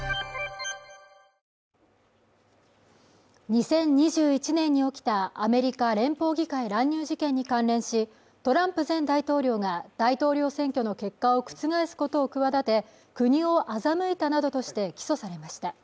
２０２１年に起きたアメリカ連邦議会乱入事件に関連しトランプ前大統領が大統領選挙の結果を覆すことを企て国を欺いたなどとして起訴されました